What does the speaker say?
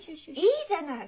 いいじゃない！